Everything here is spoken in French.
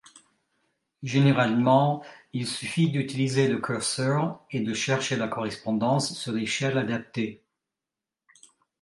Généralement, il suffit d'utiliser le curseur et de chercher la correspondance sur l'échelle adaptée.